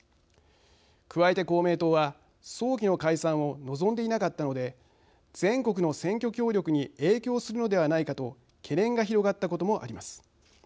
加えて公明党は早期の解散を望んでいなかったので全国の選挙協力に影響するのではないかと懸念が広がったこともあります。